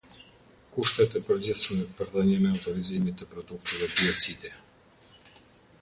Kushtet e përgjithshme për dhënien e autorizimit të produkteve biocide.